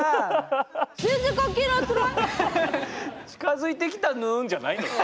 「近づいてきたぬん」じゃないだろ。